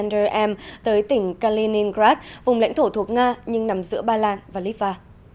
nga đã triển khai tên lửa đạn đạo chiến thuật của nga đến tỉnh kaliningrad vùng lãnh thổ thuộc nga nhưng nằm giữa ba lan và litva